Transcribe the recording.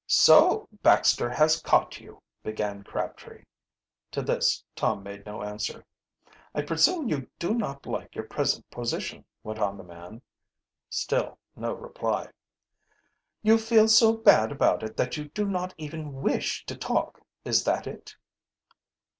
"So Baxter has caught you," began Crabtree. To this Tom made no answer. "I presume you do not like your present position," went on the man. Still no reply. "You feel so bad about it that you do not even Wish to talk, is that it?"